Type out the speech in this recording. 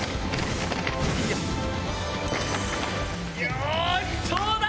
よしそうだ！